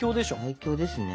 最強ですね。